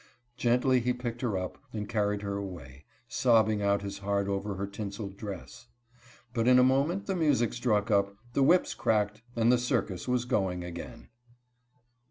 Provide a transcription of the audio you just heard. Gently he picked her up, and carried her away, sobbing out his heart over her tinseled dress. But in a moment the music struck up, the whips cracked, and the circus was going again.